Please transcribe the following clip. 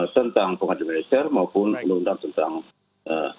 tentang pengadilan militer maupun undang undang tentang tni